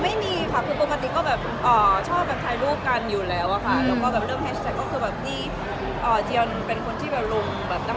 อ๋อไม่มีค่ะปกติก็ชอบแฟนไทยรูปกันอยู่แล้วค่ะ